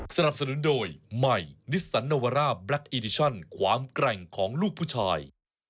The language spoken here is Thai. สนับสนุนโดยใหม่นิสสันนวาร่าแบล็คอีดิชั่นความแกร่งของลูกผู้ชาย